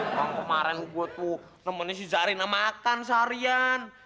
kalau kemarin gue tuh nemenin si zarina makan seharian